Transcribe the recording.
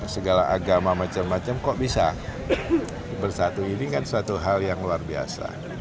segala agama macam macam kok bisa bersatu ini kan suatu hal yang luar biasa